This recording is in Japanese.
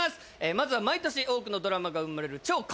まずは毎年多くのドラマが生まれる超過